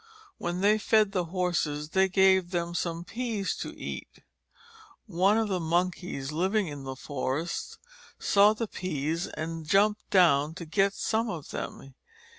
When they fed the horses they gave them some peas to eat. One of the Monkeys living in the forest saw the peas and jumped down to get some of them.